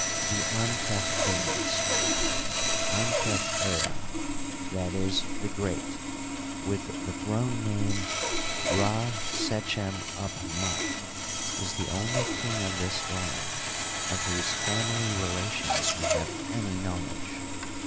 The Antef Kings. — Antef da (i. e., the Great), with the throne name Rd sechem'Up'fndt, is the only king of this line of whose family relations we have any knowledge.